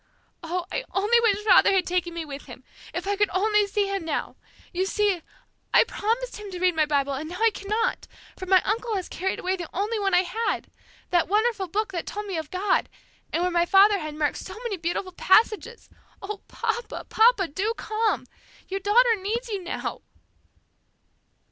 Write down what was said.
"Oh, I only wish father had taken me with him! If I could only see him now! You see, I promised him to read my Bible and now I cannot, for my uncle has carried away the only one I had that wonderful Book that told me of God, and where my father had marked so many beautiful passages! Oh, papa, papa, do come! Your daughter needs you now!"